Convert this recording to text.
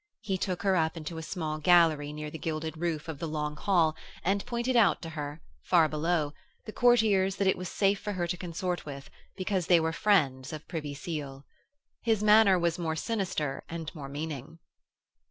He took her up into a small gallery near the gilded roof of the long hall and pointed out to her, far below, the courtiers that it was safe for her to consort with, because they were friends of Privy Seal. His manner was more sinister and more meaning.